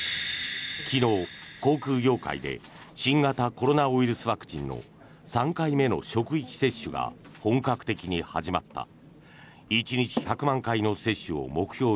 昨日、航空業界で新型コロナウイルスワクチンの３回目の職域接種が本格的に始まった。